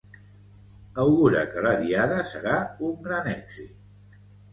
Augura que la Diada serà un gran èxit.